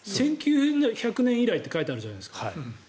１９００年以来って書いてあるじゃないですか。